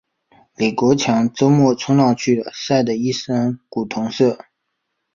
李国强周末冲浪去了，晒得一身古铜色。